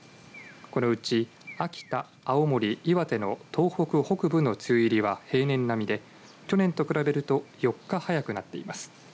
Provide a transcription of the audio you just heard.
このうち秋田、青森、岩手の東北北部の梅雨入りは平年並みで去年と比べると４日早くなっています。